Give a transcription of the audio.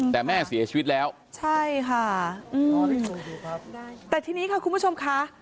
แต่แม่เสียชีวิตแล้วใช่ค่ะแต่ทีนี้ค่ะคุณผู้ชมค่ะ